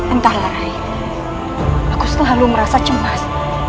entah larai aku selalu merasa cemas